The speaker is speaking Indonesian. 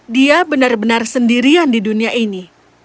dia benar benar sendirian di dunia ini